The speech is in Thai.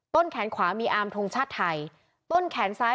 ต้นแขนขวามีอารมณ์ทรงชาติไทย